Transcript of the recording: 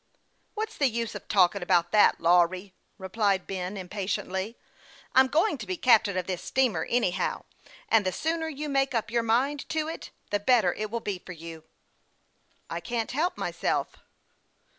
" What's the use of talking about that, Lawry ?" replied Ben, impatiently. " I'm. going to be captain of this steamer, anyhow ; and the sooner you make up your mind to it, the better it will be for you." " I can't help myself."